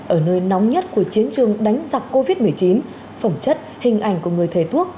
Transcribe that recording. ở nơi nóng nhất của chiến trường đánh giặc covid một mươi chín phẩm chất hình ảnh của người thầy thuốc